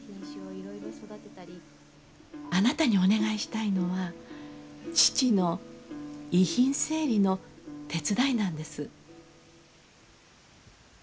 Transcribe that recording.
あなたにお願いしたいのは父の遺品整理の手伝いなんです。